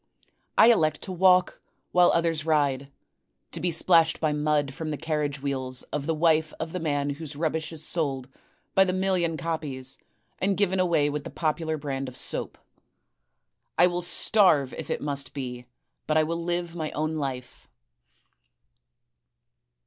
I elect to walk while others ride, to be splashed by mud from the carriage wheels of the wife of the man whose rubbish is sold by the million copies and given away with the popular brand of soap; I will starve if it must be, but I will live my own life.